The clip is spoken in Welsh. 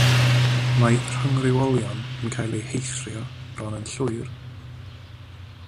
Mae rhyngrywiolion yn cael eu heithrio bron yn llwyr.